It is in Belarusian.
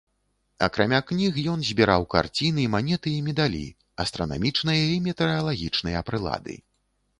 Акрамя кніг ён збіраў карціны, манеты і медалі, астранамічныя і метэаралагічныя прылады.